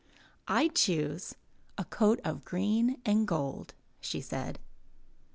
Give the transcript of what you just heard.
'1 choose a coat of green and gold,'* she said.